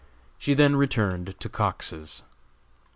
She then returned to Cox's.